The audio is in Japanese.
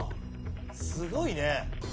すごいね。